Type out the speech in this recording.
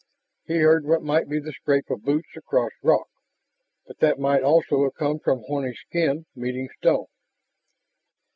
He heard what might be the scrape of boots across rock, but that might also have come from horny skin meeting stone.